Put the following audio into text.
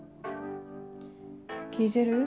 聞いてる？